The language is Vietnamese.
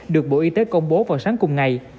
được bộ y tế công bố vào sáng cùng ngày